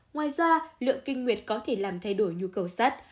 ngoài ra lượng kinh nguyệt có thể làm thay đổi nhu cầu sắt